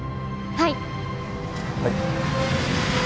はい！